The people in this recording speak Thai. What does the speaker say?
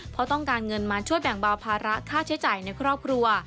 เพราะต้องการเงินมาช่วยแบ่งเบาภาระค่าใช้จ่ายในครอบครัว